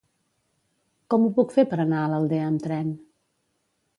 Com ho puc fer per anar a l'Aldea amb tren?